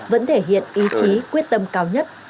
vẫn thể hiện ý chí quyết tâm cao nhất